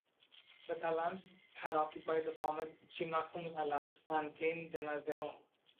The Klallams had occupied the former Chimakum lands and claimed them as their own.